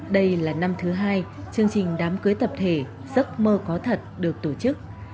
đây là năm thứ hai chương trình đám cưới tập thể giấc mơ có thật được tổ chức